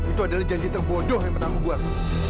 itu adalah janji terbodoh yang pertama gue lakukan